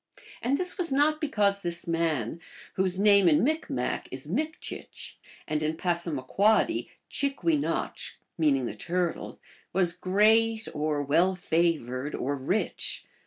And this was not because this man, whose name in Micmac is Mikchieh and in Passamaquodcly Chick we notchk, meaning the Turtle, was great, or well favored, or rich.